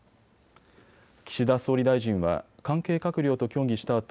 岸田総理大臣は関係閣僚と協議した